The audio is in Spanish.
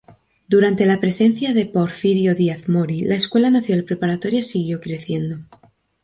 Durante la presidencia de Porfirio Díaz Mori, la Escuela Nacional Preparatoria siguió creciendo.